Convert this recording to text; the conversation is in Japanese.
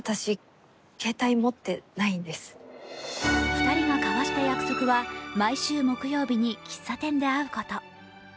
２人が交わした約束は毎週木曜日に喫茶店で会うこと。